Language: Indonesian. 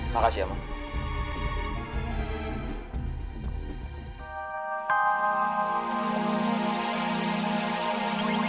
siapa tau memang benar dia orangnya